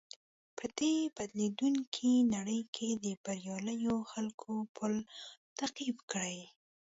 په دې بدليدونکې نړۍ کې د برياليو خلکو پل تعقيب کړئ.